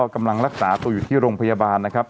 กำลังรักษาตัวอยู่ที่โรงพยาบาลนะครับ